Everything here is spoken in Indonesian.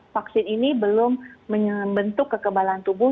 vaksin ini belum membentuk kekebalan tubuh